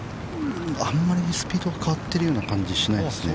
◆あんまりスピードが変わってるような感じはしないですね。